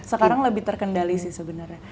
sekarang lebih terkendali sih sebenarnya